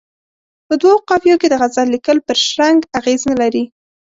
په دوو قافیو کې د غزل لیکل پر شرنګ اغېز نه لري.